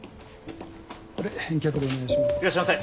これ返却でお願いします。